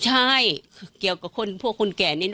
ใช่เกี่ยวกับพวกคนแกนี้